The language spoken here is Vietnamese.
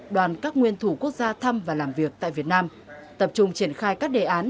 đoàn các nguyên thủ quốc gia thăm và làm việc tại việt nam tập trung triển khai các đề án